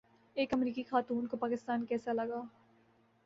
ایک امریکی خاتون کو پاکستان کیسا لگا